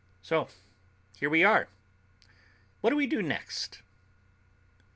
"So here we are. What do we do next?"